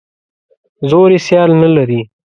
زور یې سیال نه لري.